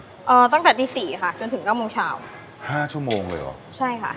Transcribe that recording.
ตั้งแต่ตีสี่ค่ะจนถึงเก้าโมงเช้าห้าชั่วโมงเลยเหรอใช่ค่ะ